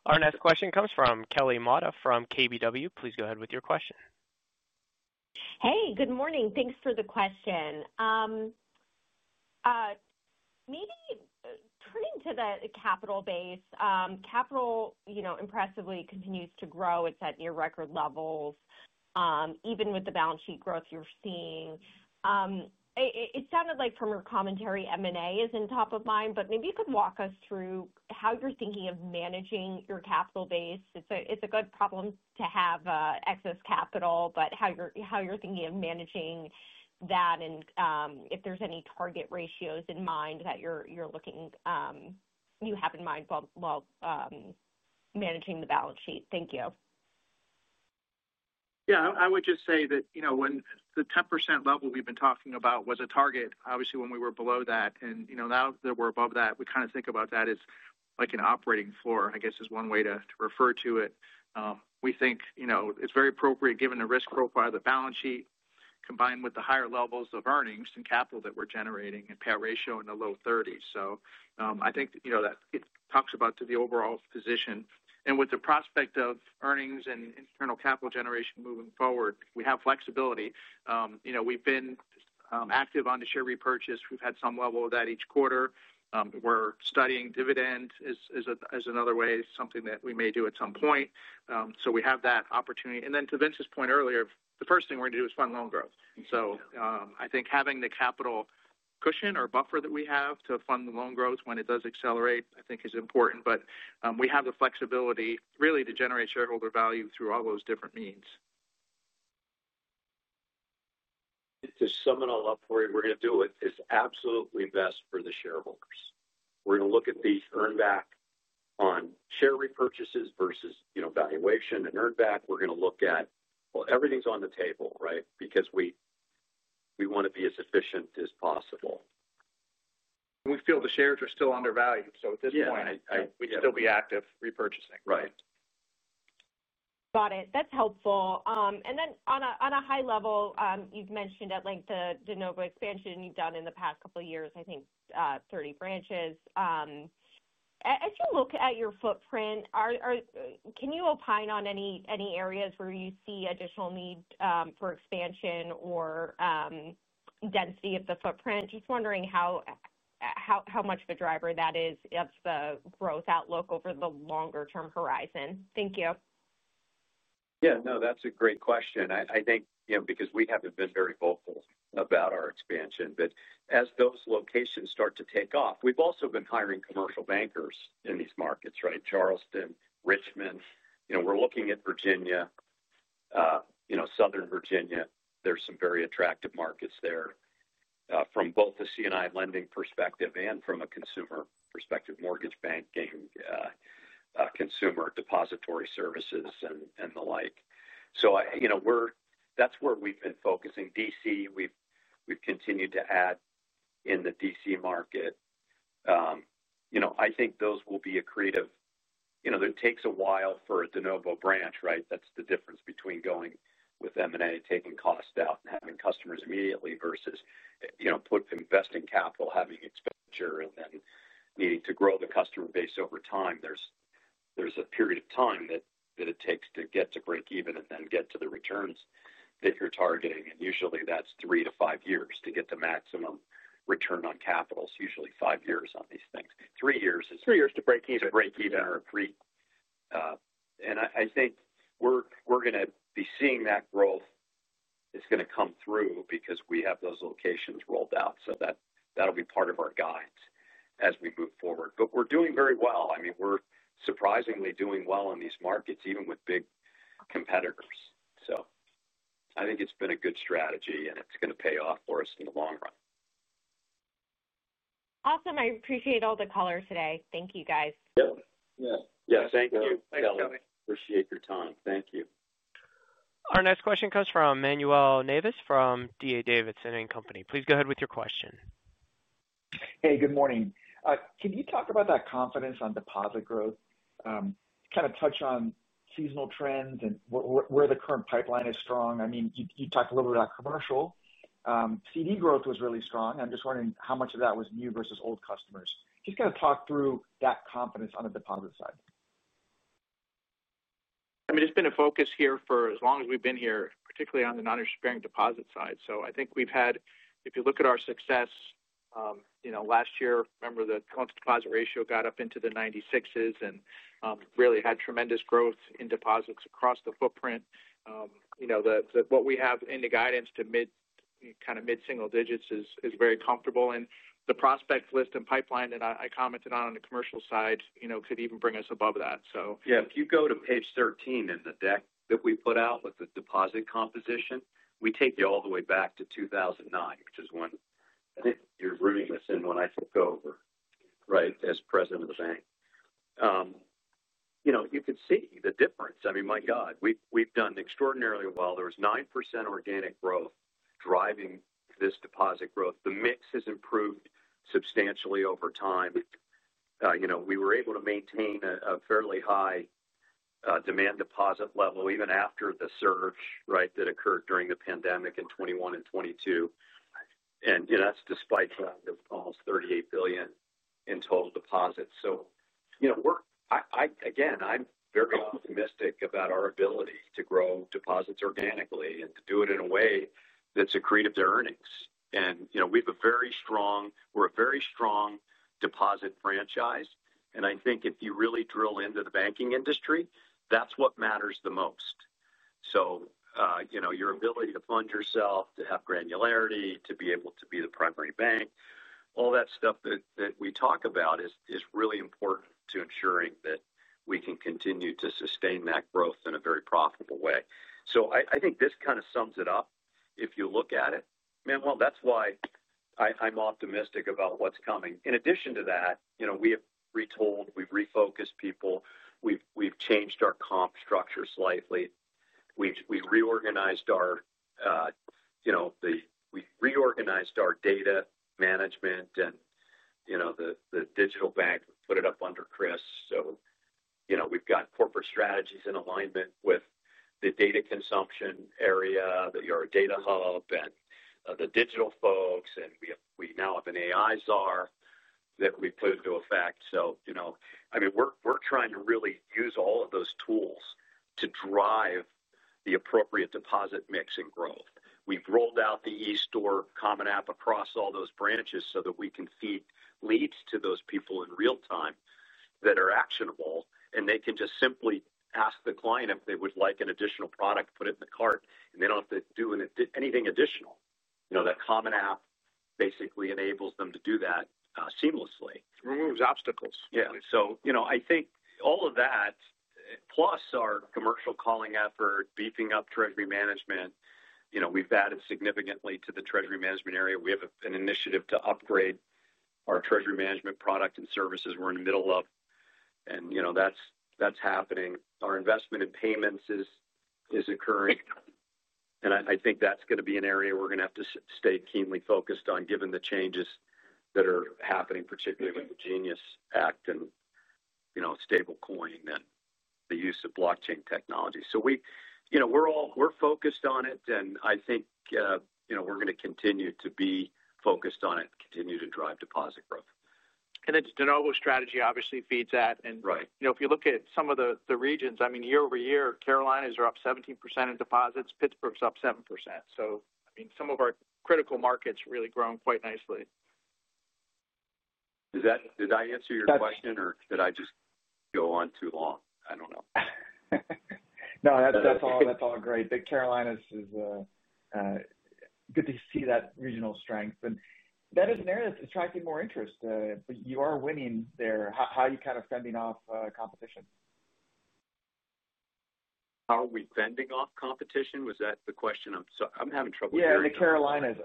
Our next question comes from Kelly Motta from KBW. Please go ahead with your question. Hey, good morning. Thanks for the question. Maybe turning to the capital base, capital impressively continues to grow. It's at near record levels even with the balance sheet growth you're seeing. It sounded like from your commentary, M and A is in top of mind, but maybe you could walk us through how you're thinking of managing your capital base. It's a good problem to have excess capital, but how you're thinking of managing that and, if there's any target ratios in mind that you're looking, you have in mind while managing the balance sheet? Thank you. Yes. I would just say that when the 10% level we've been talking about was a target, obviously, when we were below that and now that we're above that, we kind of think about that as like an operating floor, guess, one way to refer to it. We think it's very appropriate given the risk profile of the balance sheet combined with the higher levels of earnings and capital that we're generating and payout ratio in the low 30s. So, I think that it talks about to the overall position. And with the prospect of earnings and internal capital generation moving forward, we have flexibility. We've been, active on the share repurchase. We've had some level of that each quarter. We're studying dividend as another way, something that we may do at some point. So we have that opportunity. And then to Vince's point earlier, the first thing we're going do is fund loan growth. So, I think having the capital cushion or buffer that we have to fund the loan growth when it does accelerate, I think is important. But, we have the flexibility really to generate shareholder value through all those different means. To sum it all up for you, we're going to do it. It's absolutely best for the shareholders. We're going to look at the earn back on share repurchases versus valuation and earn back. We're going to look at well, everything's on the table, right, because we want to be as efficient as possible. And we feel the shares are still undervalued. So at this point, we'd still be active repurchasing, right. Got it. That's helpful. And then on a high level, you've mentioned that like the De Novo expansion you've done in the past couple of years I think 30 branches. As you look at your footprint, can you opine on any areas where you see additional need for expansion or density of the footprint? Just wondering how much of a driver that is of the growth outlook over the longer term horizon? Thank you. Yes. No, that's a great question. I think because we haven't been very vocal about our expansion. But as those locations start to take off, we've also been hiring commercial bankers in these markets, right, Charleston, Richmond, we're looking at Virginia, Southern Virginia, there's some very attractive markets there from both the C and I lending perspective and from a consumer perspective, mortgage banking, consumer depository services and the like. So we're that's where we've been focusing. DC, we've continued to add in the DC market. I think those will be accretive. That takes a while for a De Novo branch, right. That's the difference between going with M and A, taking cost out and having customers immediately versus put investing capital, having expenditure and then needing to grow the customer base over time. There's a period of time that it takes to get to breakeven and then get to the returns that you're targeting. And usually that's three to five years to get the maximum return on capital, it's usually five years on these things. Three years is three years to breakeven or three and I think we're going to be seeing that growth is going to come through because we have those locations rolled out. That that'll be part of our guidance as we move forward. But we're doing very well. I mean we're surprisingly doing well in these markets even with big competitors. So I think it's been a good strategy and it's going to pay off for us in the long run. Awesome. I appreciate all the color today. Thank you guys. Thank you. Appreciate your time. Thank you. Our next question comes from Emmanuel Nabas from D. A. Davidson and Company. Please go ahead with your question. Hey, good morning. Can you talk about that confidence on deposit growth? Kind of touch on seasonal trends and where the current pipeline is strong? I mean, talked a little bit about commercial. CD growth was really strong. I'm just wondering how much of that was new versus old customers. Just kind of talk through that confidence on the deposit side. I mean, it's been a focus here for as long as we've been here, particularly on the noninterest bearing deposit side. So I think we've had if you look at our success last year, remember the loan to deposit ratio got up into the 96s and really had tremendous growth in deposits across the footprint. What we have in the guidance to mid mid single digits is very comfortable and the prospect list and pipeline that I commented on the commercial side could even bring us above that. Yes. If you go to Page 13 in the deck that we put out with the deposit composition, we take you all the way back to 02/2009, which is when I think you're reading this in when I took over, right, as President of the Bank. You could see the difference. Mean, my God, we've done extraordinarily well. There was 9% organic growth driving this deposit growth. The mix has improved substantially over time. We were able to maintain a fairly high demand deposit level even after the surge, right, that occurred during the pandemic in 2021 and 2022. And that's despite almost $38,000,000,000 in total deposits. So we're again, I'm very optimistic about our ability to grow deposits organically and to do it in a way that's accretive to earnings. And we've a very strong we're a very strong deposit franchise. And I think if you really drill into the banking industry, that's what matters the most. So, your ability to fund yourself, to have granularity, to be able to be the primary bank, all that stuff that we talk about is really important to ensuring that we can continue to sustain that growth in a very profitable way. So I think this kind of sums it up. If you look at it, meanwhile, that's why I'm optimistic about what's coming. In addition to that, we have retold, we've refocused people, we've changed our comp structure slightly, We reorganized our data management and the digital bank, put it up under Chris. So we've got corporate strategies in alignment with the data consumption area, your data hub and the digital folks and we now have an AI czar that we put into effect. I mean we're trying to really use all of those tools to drive the appropriate deposit mix and growth. We've rolled out the eStore common app across all those branches so that we can feed leads to those people in real time that are actionable. And they can just simply ask the client if they would like an additional product, put it in the cart and they don't have to do anything additional. That common app basically enables them to do that seamlessly. Removes obstacles. Yeah. So I think all of that plus our commercial calling effort, beefing up treasury management, we've added significantly to the treasury management area. We have an initiative to upgrade our treasury management product and services we're in the middle of and that's happening. Our investment in payments is occurring and I think that's going to be an area we're going have to stay keenly focused on given the changes that are happening particularly with the Genius Act and stablecoin and the use of blockchain technology. So we're all we're focused on it and I think we're going to continue to be focused on it, continue to drive deposit growth. And its de novo strategy obviously feeds that. If you look at some of the regions, I mean year over year Carolinas are up 17% in deposits, Pittsburgh is up 7%. So I mean some of our critical markets really grown quite nicely. That did I answer your question or did I just go on too long? I don't know. No, great. That's But Carolinas is good to see that regional strength. And that is an area that's attracting more interest, but you are winning there. How are you kind of fending off competition? How are we fending off competition? Was that the question? I'm having trouble hearing Yes. Carolinas.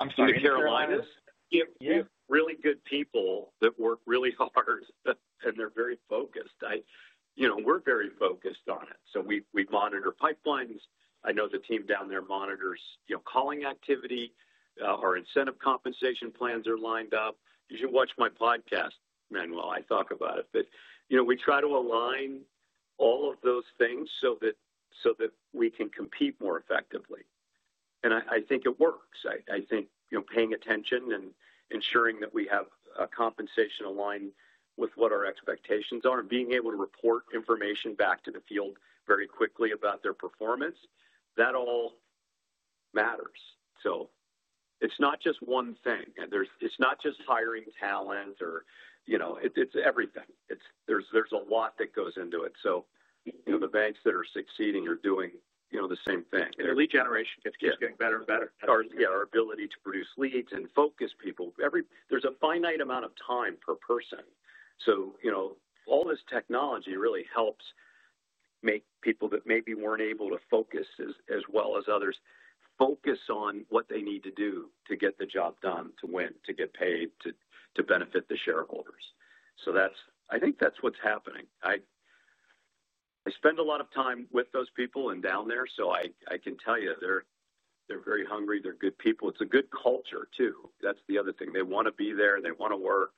I'm sorry. The Carolinas? We have really good people that work really hard and they're very focused. We're very focused on it. So we monitor pipelines. I know the team down there monitors calling activity. Our incentive compensation plans are lined up. You should watch my podcast, Manuel, I talk about it. But we try to align all of those things so that we can compete more effectively. And I think it works. Think paying attention and ensuring that we have a compensation aligned with what our expectations are and being able to report information back to the field very quickly about their performance, that all matters. So it's not just one thing. And there's it's not just hiring talent or it's everything. It's there's a lot that goes into it. So the banks that are succeeding are doing the same thing. And lead generation keeps getting better and better. Our ability to produce leads and focus people, every there's a finite amount of time per person. So all this technology really helps make people that maybe weren't able to focus as well as others focus on what they need to do to get the job done, to win, to get paid, to benefit the shareholders. So that's I think that's what's happening. I spend a lot of time with those people and down there, so I can tell you they're very hungry. They're good people. It's a good culture too. That's the other thing. They want to be there. They want to work.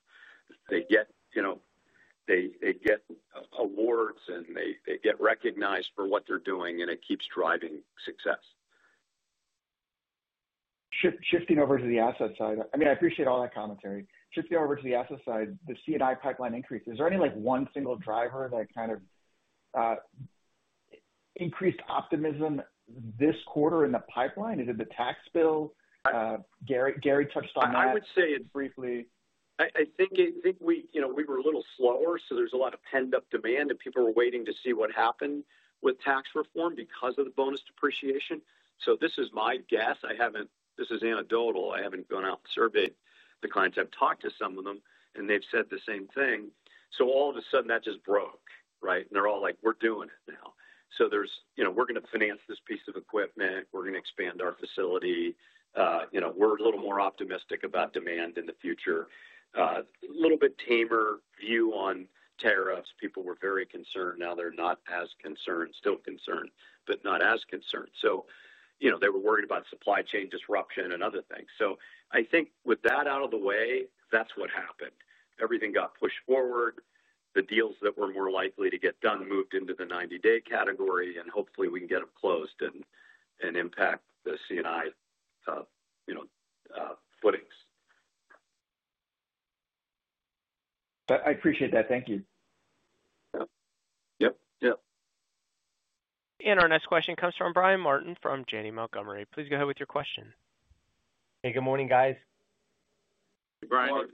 They get, you know, They get awards and they get recognized for what they're doing and it keeps driving success. Shifting over to the asset side. I mean, appreciate all that commentary. Shifting over to the asset side, the C and I pipeline increase, is there any like one single driver that kind of increased optimism this quarter in the pipeline? Is it the tax bill? Gary touched on that briefly. I I think we were a little slower. So there's a lot of pent up demand and people were waiting to see what happened with tax reform because of the bonus depreciation. So this is my guess. I haven't this is anecdotal. I haven't gone out and surveyed the clients. I've talked to some of them, and they've said the same thing. So all of a sudden, that just broke, right? And they're all like, we're doing it now. So there's we're going to finance this piece of equipment. We're going to expand our facility. We're a little more optimistic about demand in the future. A little bit tamer view on tariffs, people were very concerned. Now they're not as concerned, still concerned, but not as concerned. They were worried about supply chain disruption and other things. So I think with that out of the way, that's what happened. Everything got pushed forward, the deals that were more likely to get done moved into the ninety day category and hopefully we can get them closed and impact the C and I footings. I appreciate that. Thank you. And our next question comes from Brian Martin from Janney Montgomery. Please go ahead with your question. Hey, good morning guys. Good Brian.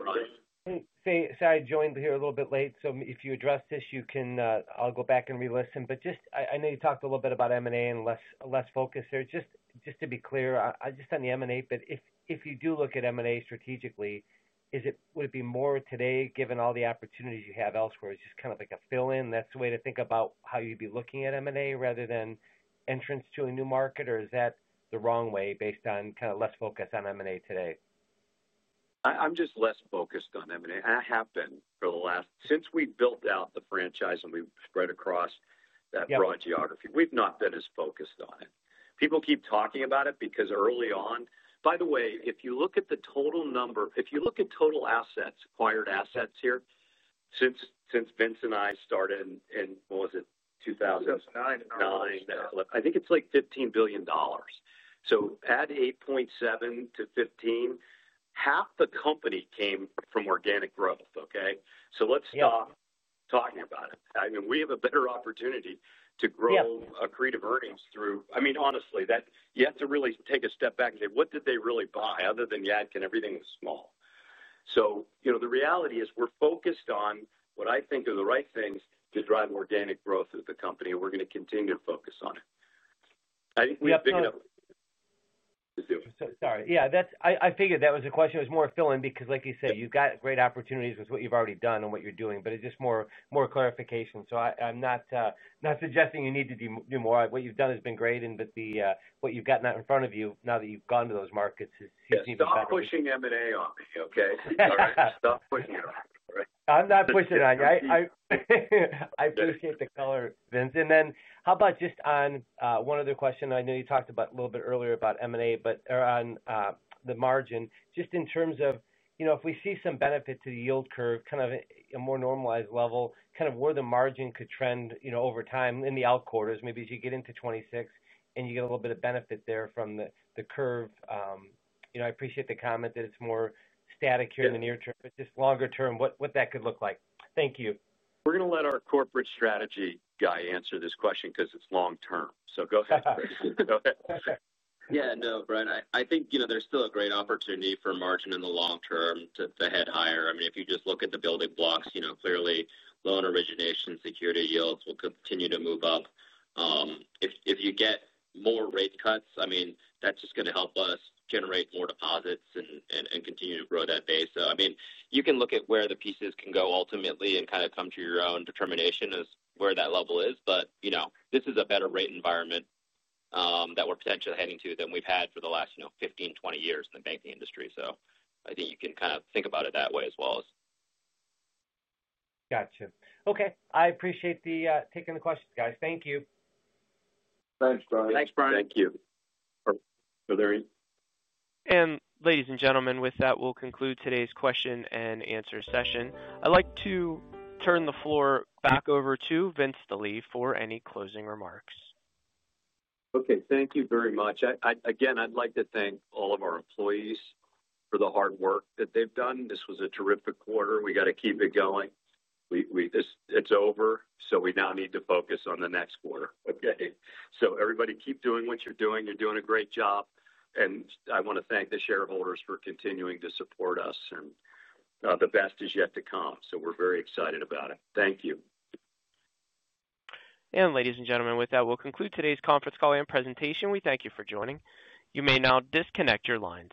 Sorry, I joined here a little bit late. So if you address this, you can I'll go back and relisten. But just I know you talked a little bit about M and A and less focus there. Just to be clear, just on the M and A, but if you do look at M and A strategically, is it would it be more today given all the opportunities you have elsewhere? Is kind it of like a fill in, that's the way to think about how you'd be looking at M and A rather than entrance to a new market? Or is that the wrong way based on kind of less focus on M and A today? I'm just less focused on M and A. I have been for the last since we've built out the franchise and we've spread across that broad geography. We've not been as focused on it. People keep talking about it because early on by the way, if you look at the total number if you look at total assets acquired assets here since Vince and I started in what was it 02/2009, think it's like $15,000,000,000 So add $8,700,000,000 to $15,000,000,000 half the company came from organic growth, okay. So let's talk about it. I mean we have a better opportunity to grow accretive earnings through I mean honestly that you have to really take a step back and say what did they really buy other than Yadkin everything is small. So the reality is we're focused on what I think are the right things to drive organic growth as a company and we're going to continue to focus on it. Sorry. Yes, that's I figured that was a question. It was more filling because like you said, you've got great opportunities with what you've already done and what you're doing, but it's just more clarification. So I'm not suggesting you need to do more. What you've done has been great and that the what you've gotten out in front of you now that you've gone to those markets Yes, pushing M and A on me, okay. Stop pushing it on me, right? I'm not pushing it on you. I appreciate the color, Vince. And then how about just on one other question, I know you talked about a little bit earlier about M and A, but on the margin, just in terms of if we see some benefit to the yield curve kind of a more normalized level, kind of where the margin could trend over time in the out quarters, maybe as you get into '26 and you get a little bit of benefit there from the curve. I appreciate the comment that it's more static here in the near term, but just longer term what that could look like? Thank you. We're going to let our corporate strategy guy answer this question because it's long term. So go ahead. Yes. No, Brian, I think there's still a great opportunity for margin in the long term to head higher. I mean, if you just look at the building blocks, clearly loan origination security yields will continue to move up. If you get more rate cuts, mean, that's just going to help us generate more deposits and continue to grow that base. I mean, you can look at where the pieces can go ultimately and kind of come to your own determination as where that level is. But this is a better rate environment that we're potentially heading to than we've had for the last fifteen, twenty years in the banking industry. I think you can kind of think about it that way as well. Got you. Okay. I appreciate the taking the questions guys. Thank you. Thanks Brian. Thanks Brian. Thank you. And ladies and gentlemen with that we'll conclude today's question and answer session. I'd like to turn the floor back over to Vince DeLee for any closing remarks. Okay. Thank you very much. Again, I'd like to thank all of our employees for the hard work that they've done. This was a terrific quarter. We got to keep it going. We it's over, so we now need to focus on the next quarter, okay? So everybody keep doing what you're doing. You're doing a great job. And I want to thank the shareholders for continuing to support us and the best is yet to come. So we're very excited about it. Thank you. And ladies and gentlemen, with that we'll conclude today's conference call and presentation. We thank you for joining. You may now disconnect your lines.